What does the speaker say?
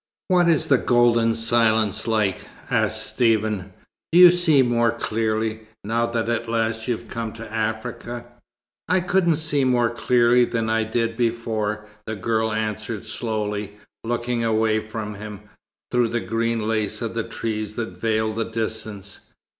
"What is the golden silence like?" asked Stephen. "Do you see more clearly, now that at last you've come to Africa?" "I couldn't see more clearly than I did before," the girl answered slowly, looking away from him, through the green lace of the trees that veiled the distance.